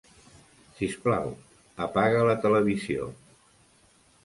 Sisplau, apaga la televisió.